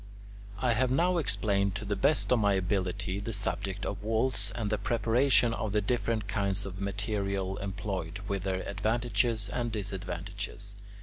I have now explained to the best of my ability the subject of walls, and the preparation of the different kinds of material employed, with their advantages and disadvantages.